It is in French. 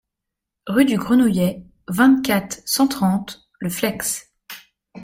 Rue du Grenouillet, vingt-quatre, cent trente Le Fleix